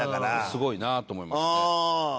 すごいなと思いますね。